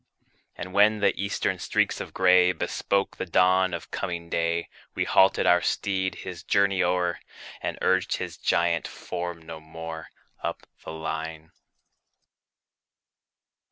And when the Eastern streaks of gray Bespoke the dawn of coming day, We halted our steed, his journey o'er, And urged his giant form no more, Up the line.